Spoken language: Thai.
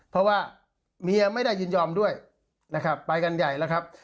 เพราะว่าเมียไม่ได้ยินยอมด้วยนะครับไปกันใหญ่แล้วครับ